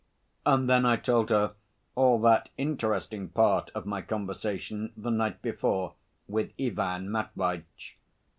And then I told her all that interesting part of my conversation the night before with Ivan Matveitch.